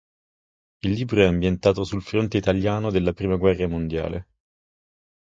Il libro è ambientato sul fronte italiano della prima guerra mondiale.